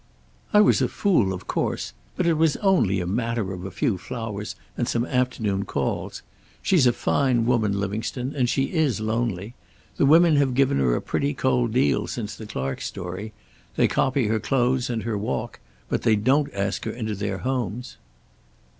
"I was a fool, of course. But it was only a matter of a few flowers and some afternoon calls. She's a fine woman, Livingstone, and she is lonely. The women have given her a pretty cold deal since the Clark story. They copy her clothes and her walk, but they don't ask her into their homes."